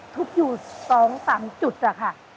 ทุบอยู่สองสามจุดค่ะ